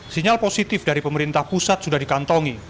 sinyal positif dari pemerintah pusat sudah dikantongi